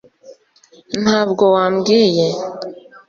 ntabwo wambwiye